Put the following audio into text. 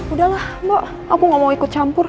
udahlah mbak aku gak mau ikut campur